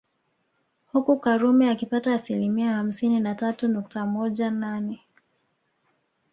Huku Karume akipata asilimia hamsini na tatu nukta moja nane